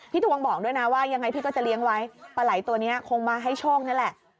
ทวงบอกด้วยนะว่ายังไงพี่ก็จะเลี้ยงไว้ปลาไหล่ตัวนี้คงมาให้โชคนี่แหละ